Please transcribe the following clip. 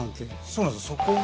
そうなんですよ。